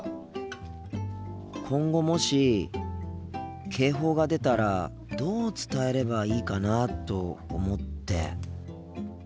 今後もし警報が出たらどう伝えればいいかなと思って。